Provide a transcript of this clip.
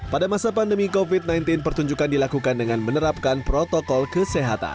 pada masa pandemi covid sembilan belas pertunjukan dilakukan dengan menerapkan protokol kesehatan